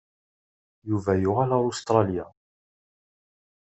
Yuba yuɣal ar Ustṛalya.